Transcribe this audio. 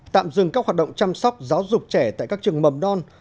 tạm dừng các hoạt động chăm sóc giáo dục trẻ tại các trường mầm non